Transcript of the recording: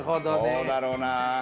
どうだろうな？